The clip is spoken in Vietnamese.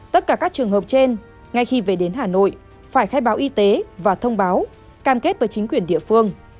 tất cả các trường hợp trên ngay khi về đến hà nội phải khai báo y tế và thông báo cam kết với chính quyền địa phương